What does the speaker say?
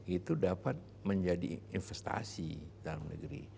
itu dapat menjadi investasi dalam negeri